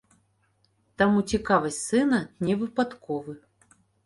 Таму цікавасць сына не выпадковы.